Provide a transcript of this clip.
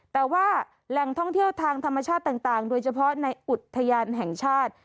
แต่ว่าแหล่งท่องเที่ยวทางธรรมชาติต่างโดยเฉพาะในอุทยานแห่งชาติ